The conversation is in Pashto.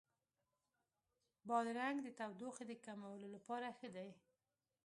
بادرنګ د تودوخې د کمولو لپاره ښه دی.